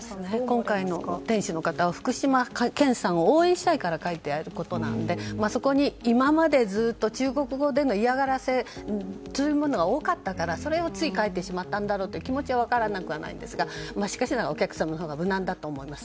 今回の店主の方は福島県産を応援したいから書いてあることでそこに今までずっと中国語での嫌がらせが多かったから、それをつい書いてしまったのだろうと気持ちは分からなくはないんですがしかし「お客様」のほうが無難だと思います。